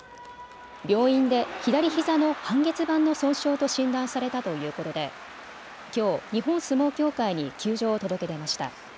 病院で左ひざの半月板の損傷と診断されたということできょう日本相撲協会に休場を届け出ました。